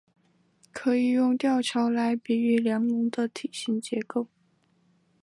可以用吊桥来比喻梁龙的体型结构。